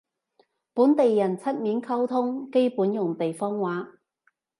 本地人出面溝通基本用地方話